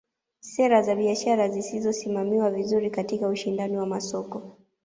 Sera za biashara zisizosimamiwa vizuri katika ushindani wa masoko